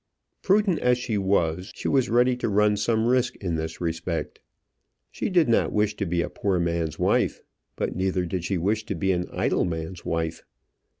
Prudent as she was, she was ready to run some risk in this respect. She did not wish to be a poor man's wife; but neither did she wish to be an idle man's wife.